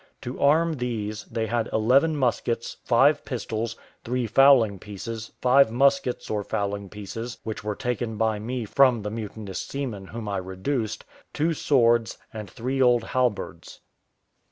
To arm these, they had eleven muskets, five pistols, three fowling pieces, five muskets or fowling pieces which were taken by me from the mutinous seamen whom I reduced, two swords, and three old halberds.